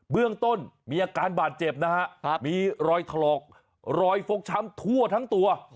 เรื่องต้นมีอาการบาดเจ็บนะฮะมีรอยถลอกรอยฟกช้ำทั่วทั้งตัว